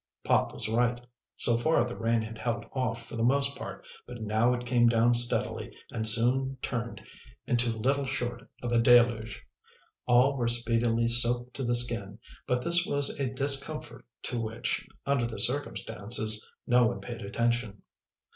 Pop was right; so far the rain had held off for the most part, but now it came down steadily and soon turned into little short of a deluge. All were speedily soaked to the skin, but this was a discomfort to which, under the circumstances, no one paid attention.